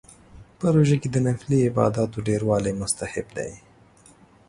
په روژه کې د نفلي عباداتو ډیروالی مستحب دی